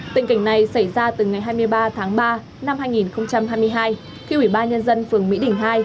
tình cảnh này xảy ra từ ngày hai mươi ba tháng ba năm hai nghìn hai mươi hai khi ủy ban nhân dân phường mỹ đình hai